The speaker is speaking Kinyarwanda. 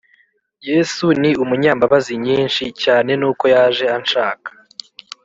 Yesu ni umunyambabazi nyinshi cyane nuko yaje anshaka